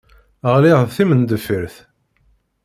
Ɣliɣ d timendeffirt.